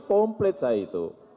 komplet saya itu